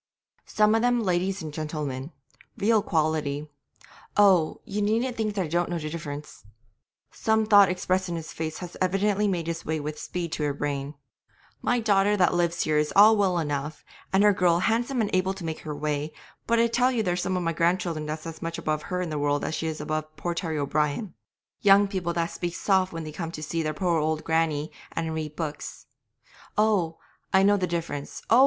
Some of them ladies and gentlemen, real quality. Oh! ye needn't think I don't know the difference' (some thought expressed in his face had evidently made its way with speed to her brain) 'my daughter that lives here is all well enough, and her girl handsome and able to make her way, but I tell you there's some of my grandchildren that's as much above her in the world as she is above poor Terry O'Brien young people that speak soft when they come to see their poor old grannie and read books, oh! I know the difference; oh!